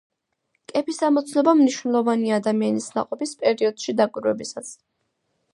კეფის ამოცნობა მნიშვნელოვანია ადამიანის ნაყოფის პერიოდში დაკვირვებისას.